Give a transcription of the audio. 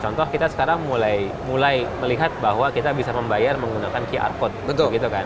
contoh kita sekarang mulai melihat bahwa kita bisa membayar menggunakan qr code gitu kan